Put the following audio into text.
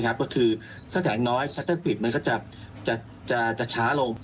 ถ้าแสงน้อยชัตเตอร์สปีดมันก็จะช้าลง